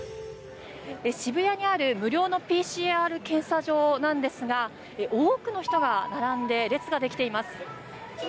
渋谷にある無料のＰＣＲ検査場なんですが多くの人が並んで列ができています。